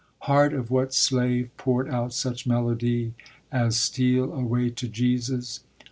Heart of what slave poured out such melody As "Steal away to Jesus"?